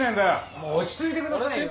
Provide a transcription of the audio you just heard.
落ち着いてくださいよ。